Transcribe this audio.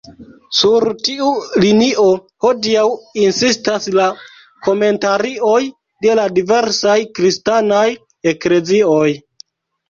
Sur tiu linio hodiaŭ insistas la komentarioj de la diversaj kristanaj eklezioj.